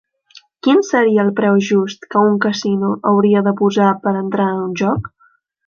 Quin seria el preu just que un casino hauria de posar per entrar a un joc?